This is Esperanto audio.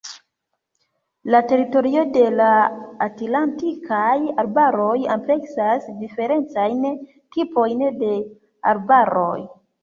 La teritorio de la Atlantikaj arbaroj ampleksas diferencajn tipojn de arbaroj.